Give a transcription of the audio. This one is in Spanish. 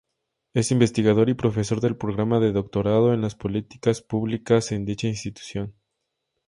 Es investigador y profesor del Programa de Doctorado en Políticas Públicas en dicha institución.